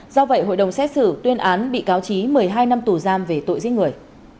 do vậy hội đồng xét xử tuyên án bị cáo trí một mươi hai năm tù giam về tội giết người